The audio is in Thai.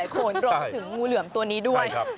มันดันใจให้เกือบใครหลายคนรวมถึงงูเหลือมตัวนี้ด้วย